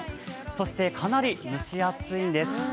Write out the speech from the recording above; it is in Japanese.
そしてかなり蒸し暑いんです。